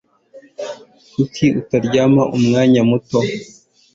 Kuki utaryama umwanya muto?